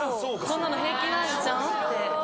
こんなの平気なんじゃんって。